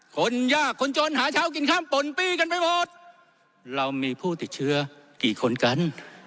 คนยากคนจนหาเช้ากินข้ามป่นปี้กันไปหมดเรามีผู้ติดเชื้อกี่คนกัน